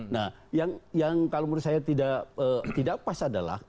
nah yang kalau menurut saya tidak pas adalah